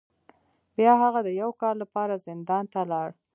بیا هغه د یو کال لپاره زندان ته لاړ.